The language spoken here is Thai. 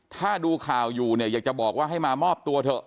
ถ้าดูข่าวอยู่เนี่ยอยากจะบอกว่าให้มามอบตัวเถอะ